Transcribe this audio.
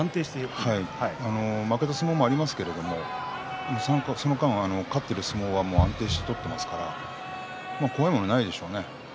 負けた相撲もありますけれども勝っている相撲は安定して取っていますから怖いものはないでしょうね。